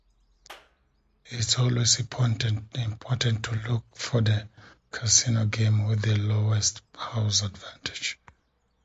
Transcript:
It's always important to look for the casino game with the lowest house advantage.